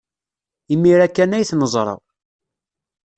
Imir-a kan ay t-neẓra.